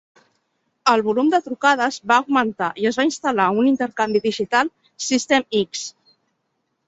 El volum de trucades va augmentar i es va instal·lar un intercanvi digital System X.